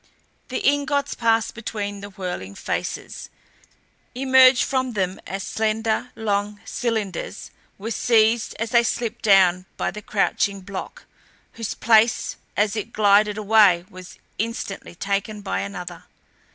The ingots passed between the whirling faces; emerged from them as slender, long cylinders; were seized as they slipped down by a crouching block, whose place as it glided away was instantly taken by another.